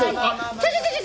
ちょちょちょちょ